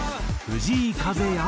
藤井風や。